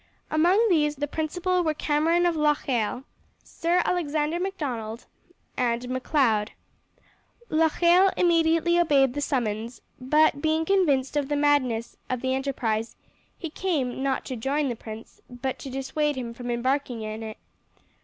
Among these the principal were Cameron of Locheil, Sir Alexander Macdonald, and Macleod. Locheil immediately obeyed the summons, but being convinced of the madness of the enterprise he came, not to join the prince, but to dissuade him from embarking in it.